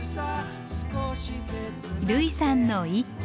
類さんの一句。